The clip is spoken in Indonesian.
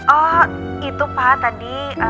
oh itu pa tadi